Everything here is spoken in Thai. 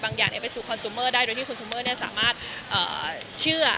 อย่างไปสู่คอนซูเมอร์ได้โดยที่คุณซูเมอร์สามารถเชื่อ